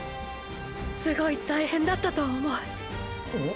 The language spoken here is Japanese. すごい大変だったと思う。！